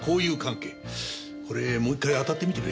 これもう一回あたってみてくれ。